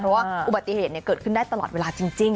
เพราะว่าอุบัติเหตุเกิดขึ้นได้ตลอดเวลาจริง